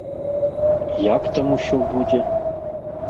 Як там усё будзе?